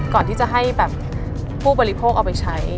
ก่อนที่จะให้แบบผู้บริโภคเอาไปใช้